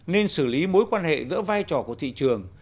nên xử lý mối quan hệ giữa vai trò của thị trường